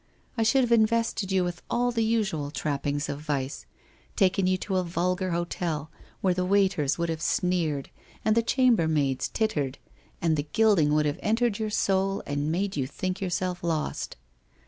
I should have invested you with all the usual trappings of vice, taken you to a vulgar hotel, where the waiters would have sneered and the chambermaids tittered and the gilding would have entered your soul and made you think yourself lost.'